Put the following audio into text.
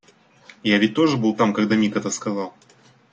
Я ведь тоже был там, когда Мик это сказал.